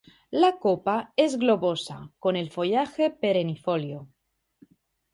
La copa es globosa, con el follaje perennifolio.